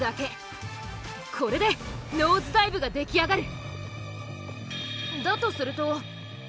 これでノーズダイブが出来上がる。